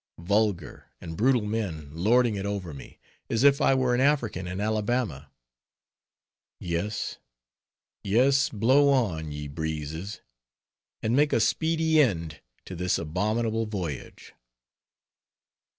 vulgar and brutal men lording it over me, as if I were an African in Alabama. Yes, yes, blow on, ye breezes, and make a speedy end to this abominable voyage!